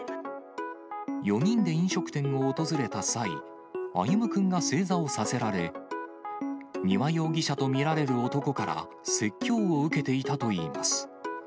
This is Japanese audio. ４人で飲食店を訪れた際、歩夢くんが正座をさせられ、丹羽容疑者と見られる男から説教を受けていたといいます。